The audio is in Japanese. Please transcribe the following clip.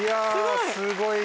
すごい。